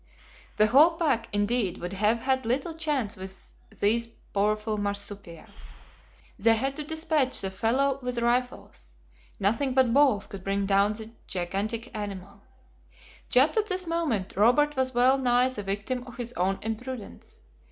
The whole pack, indeed, would have had little chance with these powerful marsupia. They had to dispatch the fellow with rifles. Nothing but balls could bring down the gigantic animal. Just at this moment, Robert was well nigh the victim of his own imprudence.